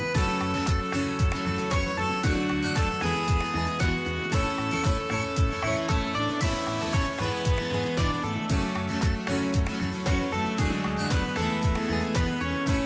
โปรดติดตามตรวจสภาพอากาศในประเทศไหนนะครับ